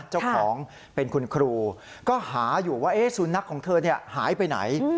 เจ้าของเป็นคุณครูก็หาอยู่ว่าสุนัขของเธอหายไปไหน